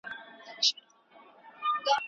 پوهه په ښوونځي کي خپرېږي.